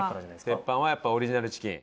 鉄板はやっぱりオリジナルチキン。